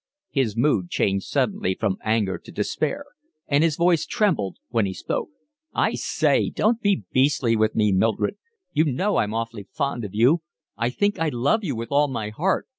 His mood changed suddenly from anger to despair, and his voice trembled when he spoke. "I say, don't be beastly with me, Mildred. You know I'm awfully fond of you. I think I love you with all my heart.